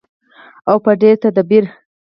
او په ډیر تدبیر.